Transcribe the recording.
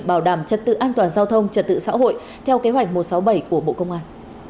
bảo đảm trật tự an toàn giao thông trật tự xã hội theo kế hoạch một trăm sáu mươi bảy của bộ công an